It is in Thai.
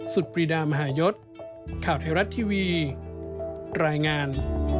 ปรีดามหายศข่าวไทยรัฐทีวีรายงาน